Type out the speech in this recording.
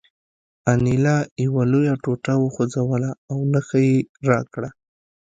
انیلا یوه لویه ټوټه وخوځوله او نښه یې راکړه